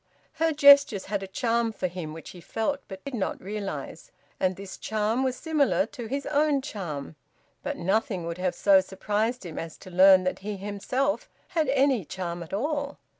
Her gestures had a charm for him which he felt but did not realise. And this charm was similar to his own charm. But nothing would have so surprised him as to learn that he himself had any charm at all.